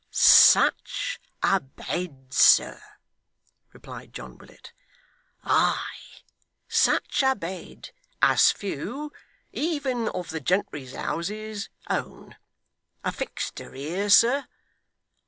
'Such a bed, sir,' returned John Willet; 'ay, such a bed as few, even of the gentry's houses, own. A fixter here, sir.